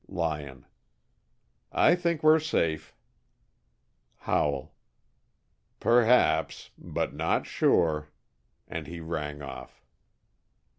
Lyon: "I think we're safe." Howell: "Perhaps. But not sure." And he rang off.